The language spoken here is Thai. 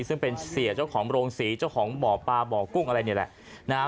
ซึ่งเป็นเสียเจ้าของโรงศรีเจ้าของบ่อปลาบ่อกุ้งอะไรนี่แหละนะฮะ